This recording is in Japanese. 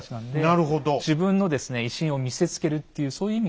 なるほど！